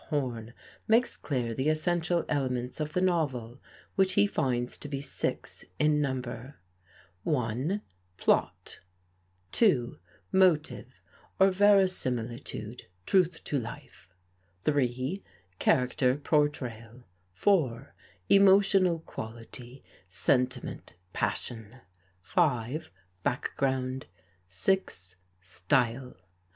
Horne makes clear the essential elements of the novel which he finds to be six in number: (1) Plot, (2) Motive or Verisimilitude, truth to life, (3) Character Portrayal, (4) Emotional Quality Sentiment, Passion, (5) Background, (6) Style.